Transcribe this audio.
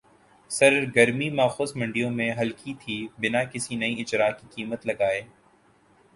سرگرمی ماخوذ منڈیوں میں ہلکی تھِی بِنا کسی نئے اجراء کی قیمت لگائے